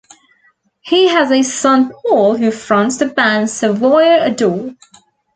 He has a son, Paul, who fronts the band Savoir Adore.